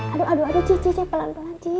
aduh aduh aduh cici pelan pelan cici